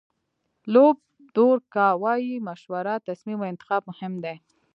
لوپ دورکا وایي مشوره، تصمیم او انتخاب مهم دي.